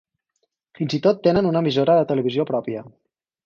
Fins i tot tenen una emissora de televisió pròpia.